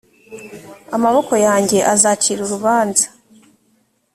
amaboko yanjye azacira urubanza